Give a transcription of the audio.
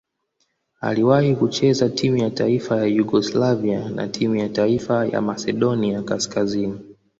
Aliwahi kucheza timu ya taifa ya Yugoslavia na timu ya taifa ya Masedonia Kaskazini.